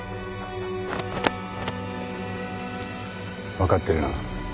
分かってるな？